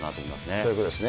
そういうことですね。